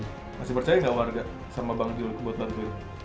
masih percaya nggak warga sama bang jul buat bantuin